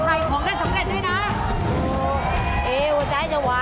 ถ้าถูกข้อนี้นะถ่ายของได้สำเร็จด้วยนะ